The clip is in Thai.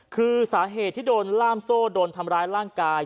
คือสาเหตุที่โดนล่ามโซ่โดนทำร้ายร่างกาย